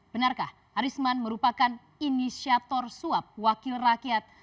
benarkah arisman merupakan inisiator suap wakil rakyat